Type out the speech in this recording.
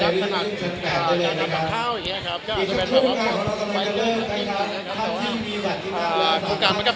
หนึ่งได้รายการได้ว่า